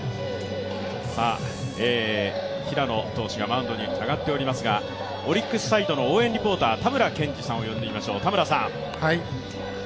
平野投手がマウンドに上がっておりますがオリックスサイドの応援リポーター、たむらけんじさんを呼んでみましょう。